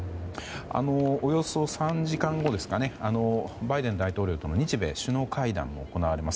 およそ３時間後バイデン大統領との日米首脳会談が行われます。